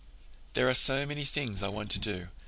"There are so many things I want to do.